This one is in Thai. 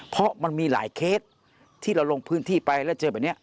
เพราะมันมีหลายเคสที่เราลงพื้นที่ไปแล้วเจอแบบนี้